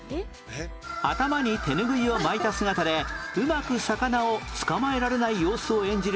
頭に手ぬぐいを巻いた姿でうまく魚を捕まえられない様子を演じる